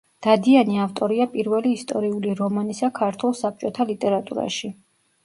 დადიანი ავტორია პირველი ისტორიული რომანისა ქართულ საბჭოთა ლიტერატურაში.